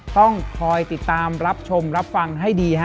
ต้องคอยติดตามรับชมรับฟังให้ดีฮะ